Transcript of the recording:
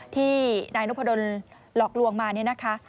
ที่นายนพดนลองลวงมานะคะ